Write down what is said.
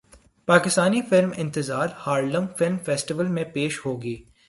Pakistani film Intezaar Harlem film festival میں پیش ہوگی